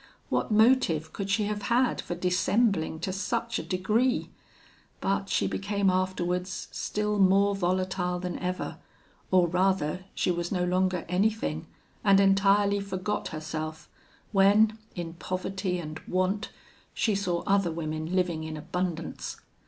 What motive could she have had for dissembling to such a degree? But she became afterwards still more volatile than ever, or rather she was no longer anything, and entirely forgot herself, when, in poverty and want, she saw other women living in abundance.